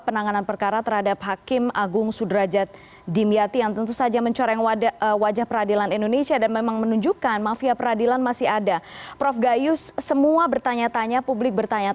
penanganan perkara terhadap hakim agung sudrajat dimyati